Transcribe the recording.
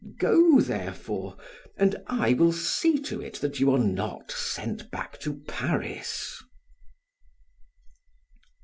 Go, therefore, and I will see to it that you are not sent back to Paris."